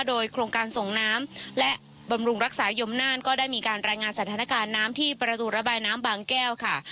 โดยโครงการส่งน้ำและบำรุงรักษายมน่านก็ได้มีการรายงานสถานการณ์น้ำที่ประตูระบายน้ำบางแก้วค่ะ